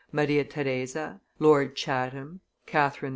Maria Theresa, Lord Chatham, Catherine II.